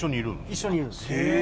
一緒にいるんです。